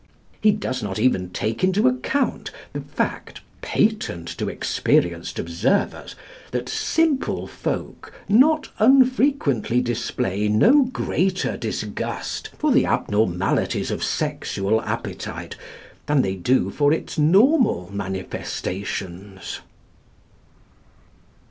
He does not even take into account the fact, patent to experienced observers, that simple folk not unfrequently display no greater disgust for the abnormalities of sexual appetite than they do for its normal manifestations.